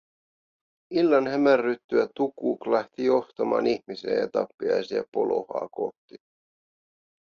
Illan hämärryttyä Tukuk lähti johtamaan ihmisiä ja tappiaisia Polohaa kohti.